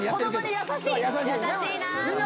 優しいな。